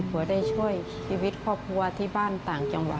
เหลือได้ช่วยชีวิตความกลับทางจังหวัด